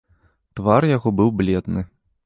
Твар яго быў бледны.